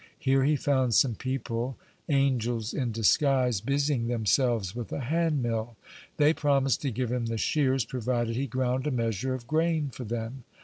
Here he found some people angels in disguise busying themselves with a hand mill. They promised to give him the shears, provided he ground a measure of grain for them.